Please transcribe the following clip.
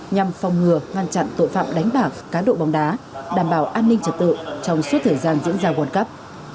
nhằm phòng ngừa ngăn chặn tội phạm đánh bạc cá độ bóng đá đảm bảo an ninh trật tự trong suốt thời gian diễn ra world cup